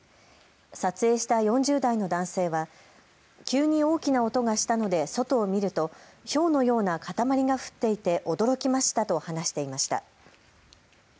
撮影した４０代の男性は急に大きな音がしたので外を見るとひょうのような塊が降っていて驚きましたと話していました。